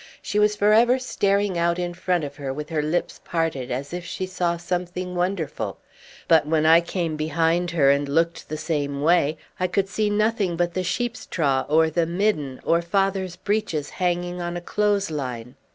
She was for ever staring out in front of her with her lips parted, as if she saw something wonderful; but when I came behind her and looked the same way, I could see nothing but the sheep's trough or the midden, or father's breeches hanging on a clothes line.